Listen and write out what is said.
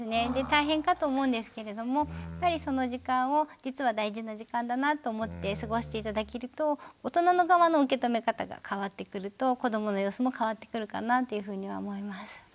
大変かと思うんですけれどもやっぱりその時間を実は大事な時間だなと思って過ごして頂けると大人の側の受け止め方が変わってくると子どもの様子も変わってくるかなというふうには思います。